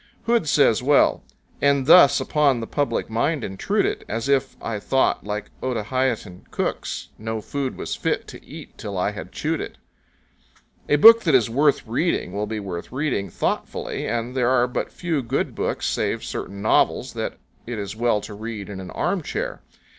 Hood says well, And thus upon the public mind intrude it; As if I thought, like Otaheitan cooks, No food was fit to eat till I had chewed it. A book that is worth reading will be worth reading thoughtfully, and there are but few good books, save certain novels, that it is well to read in an arm chair.